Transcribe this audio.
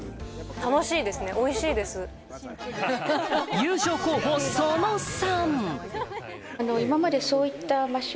優勝候補その３。